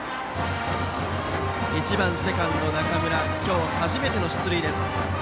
１番セカンドの中村は今日初めての出塁です。